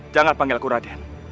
jangan panggil aku raden